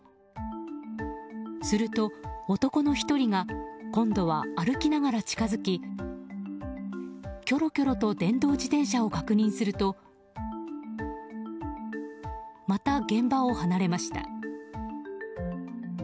すると、男の１人が今度は歩きながら近づききょろきょろと電動自転車を確認するとまた、現場を離れました。